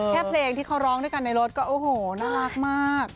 เพลงที่เขาร้องด้วยกันในรถก็โอ้โหน่ารักมาก